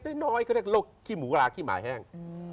ก็เรียกเลี่ยงโรคขี้หมูล้างขี้หมายแห้ง